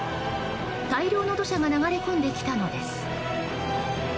大量の土砂が流れ込んできたのです。